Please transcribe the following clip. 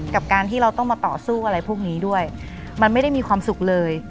กับการที่เราต้องมาต่อสู้อะไรพวกนี้ด้วยมันไม่ได้มีความสุขเลย